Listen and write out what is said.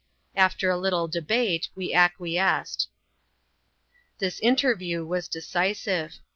After a little debate, we acquiesced. This interview was decisive.